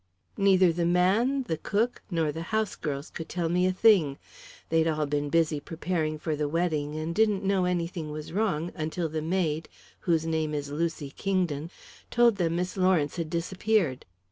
"Neither the man, the cook, nor the house girls could tell me a thing. They'd all been busy preparing for the wedding, and didn't know anything was wrong until the maid, whose name is Lucy Kingdon, told them Miss Lawrence had disappeared.